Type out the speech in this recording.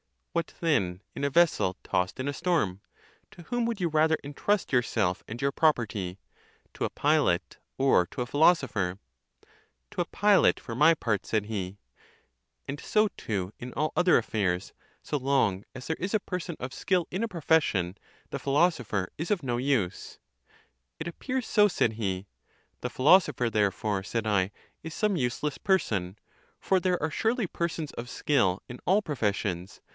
— What then, in a vessel tost in a storm? 'Towhom would you rather intrust yourself and your property ? To a pilot, or to a philosopher ?—To a pilot, for my part, said he.—And 80, too, in all other affairs; so long as there is a person of skill in a profession, the philoso pher is of no use.—It appears so, said he.—The philosopher, therefore, said I, is some useless person; for there are surely persons of skill in (all) professions.